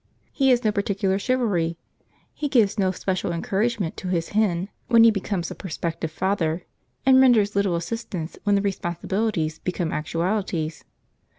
He has no particular chivalry. He gives no special encouragement to his hen when he becomes a prospective father, and renders little assistance when the responsibilities become actualities.